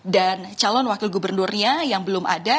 dan calon wakil gubernurnya yang belum ada